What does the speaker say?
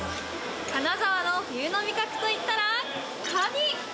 金沢の冬の味覚といったらカニ。